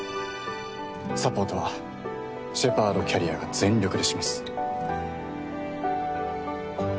サポートはシェパードキャリアが全力でします。